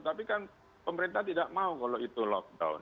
tapi kan pemerintah tidak mau kalau itu lockdown